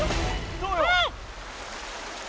どうよ？